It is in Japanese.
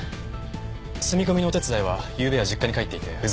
住み込みのお手伝いはゆうべは実家に帰っていて不在でした。